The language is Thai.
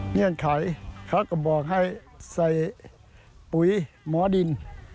เงื่อนไขเขาก็บอกให้ใส่ปุ๋ยหมอดิน